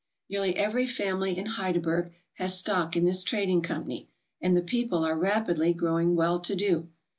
Nearly every family in Hydaburg has stock in this trading company, and the people are rapidly growing well to do.